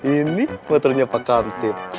ini motornya pak kanti